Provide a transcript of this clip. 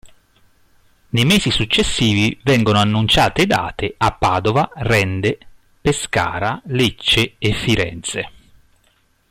Nei mesi successivi vengono annunciate date a Padova, Rende, Pescara, Lecce e Firenze.